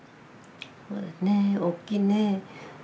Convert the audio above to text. ねえ大きいね。